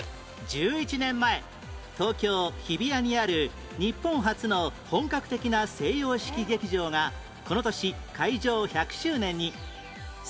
１１年前東京日比谷にある日本初の本格的な西洋式劇場がこの年開場１００周年に